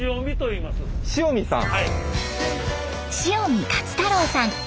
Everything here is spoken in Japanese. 塩見勝太朗さん。